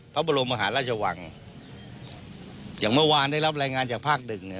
พระบรมมหาราชวังอย่างเมื่อวานได้รับรายงานจากภาคหนึ่งเนี่ย